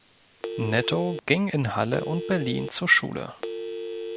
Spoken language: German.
Netto ging in Halle und Berlin zur Schule.